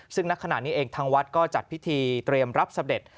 ซึ่งณขณะนี้เองทางวัดก็จัดพิธีเตรียมรับเสด็จ